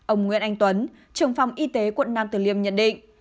ông nguyễn anh tuấn trưởng phòng y tế quận nam tử liêm nhận định